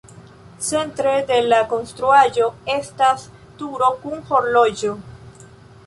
Centre de la konstruaĵo estas turo kun horloĝo.